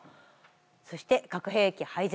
そして核兵器廃絶。